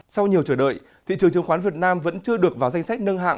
sau nhiều chờ đợi thị trường chứng khoán việt nam vẫn chưa được vào danh sách nâng hạng